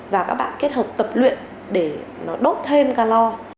và các bạn kết hợp tập luyện để nó đốt thêm calor